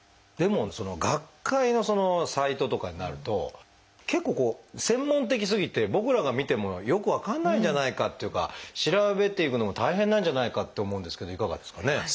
でも学会のサイトとかになると結構こう専門的すぎて僕らが見てもよく分かんないんじゃないかというか調べていくのも大変なんじゃないかと思うんですけどいかがですかね？